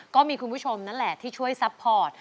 ก็มีคุณผู้ชมนั่นแหละที่ช่วยซัพพอร์ต